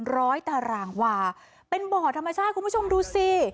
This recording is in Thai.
ตารางวาเป็นบ่อธรรมชาติคุณผู้ชมดูสิ